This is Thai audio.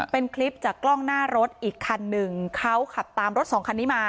เป็นคลิปจากกล้องหน้ารถอีกคันหนึ่งเขาขับตามรถสองคันนี้มา